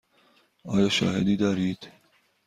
آیا شاهدی دارید؟